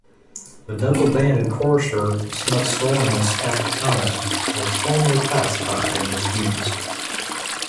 The Double-banded courser, "Smutsornis africanus", was formerly classified in this genus.